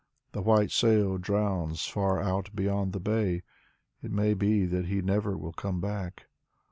The white sail drowns far out beyond the bay. It may be that he never will come back.